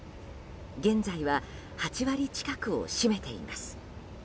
現在は８割近くを占めています。